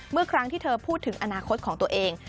เมื่อครั้งที่เธอพูดถึงอนาคตของตัวเอง